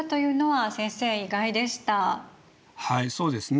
はいそうですね。